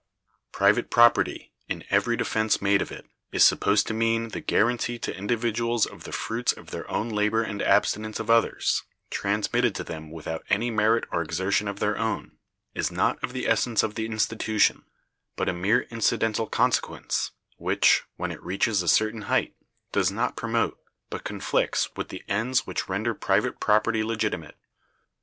Private property, in every defense made of it, is supposed to mean the guarantee to individuals of the fruits of their own labor and abstinence. The guarantee to them of the fruits of the labor and abstinence of others, transmitted to them without any merit or exertion of their own, is not of the essence of the institution, but a mere incidental consequence, which, when it reaches a certain height, does not promote, but conflicts with the ends which render private property legitimate.